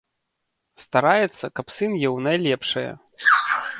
Стараецца, каб сын еў найлепшае.